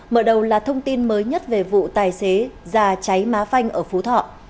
mở đầu là thông tin mới nhất về vụ tài xế già cháy má phanh ở phú thọ